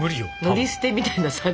乗り捨てみたいなさ。